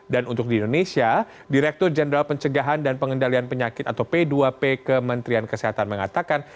dan untuk di indonesia direktur jenderal pencegahan dan pengendalian penyakit atau p dua p kementerian kesehatan mengatakan